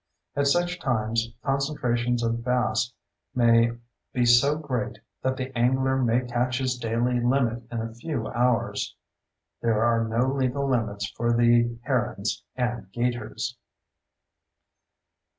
At such times concentrations of bass may be so great that the angler may catch his daily limit in a few hours. (There are no legal limits for the herons and 'gators!)